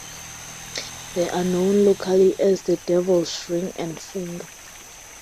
They are known locally as the "devil's ring and finger".